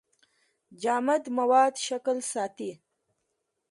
جامد مواد شکل ساتي.